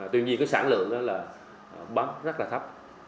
tuy nhiên cái sản lượng đó là bấm rất là thấp